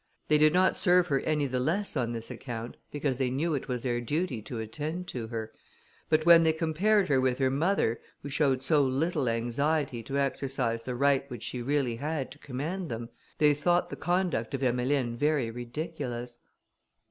They did not serve her any the less on this account, because they knew it was their duty to attend to her; but when they compared her with her mother, who showed so little anxiety to exercise the right which she really had to command them, they thought the conduct of Emmeline very ridiculous.